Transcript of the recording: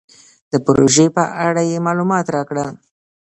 د پروژې په اړه یې مالومات راکړل.